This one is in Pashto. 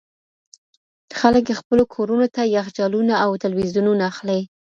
خلګ خپلو کورونو ته يخچالونه او ټلوېزيونونه اخلي.